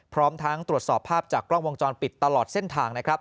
พร้อมทั้งตรวจสอบภาพจากกล้องวงจรปิดตลอดเส้นทางนะครับ